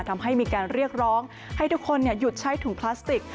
ทำให้มีการเรียกร้องให้ทุกคนหยุดใช้ถุงพลาสติก